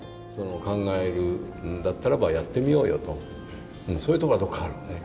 考えるんだったらばやってみようよとそういうとこがどこかあるのね。